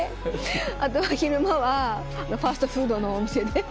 あとは昼間はファストフードのお店で。